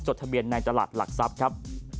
ทะเบียนในตลาดหลักทรัพย์ครับ